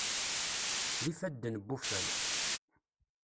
D ifadden n wuffal.